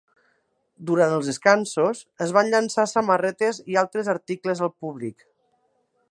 Durant els descansos, es van llançar samarretes i altres articles al públic.